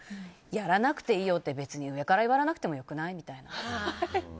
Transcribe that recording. やらなくていいよって別に上から言われなくてもよくない？みたいな。